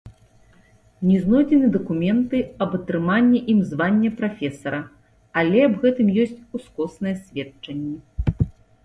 Не знойдзены дакументы аб атрыманні ім звання прафесара, але аб гэтым ёсць ускосныя сведчанні.